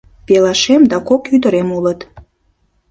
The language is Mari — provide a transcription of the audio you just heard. — Пелашем да кок ӱдырем улыт.